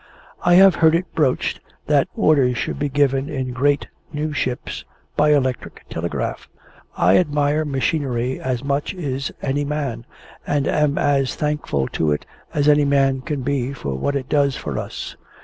I have heard it broached that orders should be given in great new ships by electric telegraph. I admire machinery as much is any man, and am as thankful to it as any man can be for what it does for us.